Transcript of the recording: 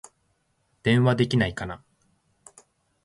電話できないかな